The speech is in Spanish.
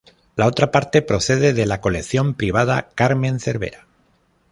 La otra parte procede de la colección privada Carmen Cervera.